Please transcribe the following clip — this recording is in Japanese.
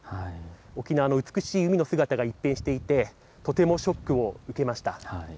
沖縄の美しい海の姿が一変していて、とてもショックを受けました。